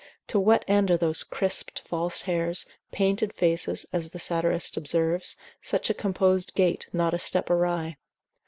To what end are those crisped, false hairs, painted faces, as the satirist observes, such a composed gait, not a step awry?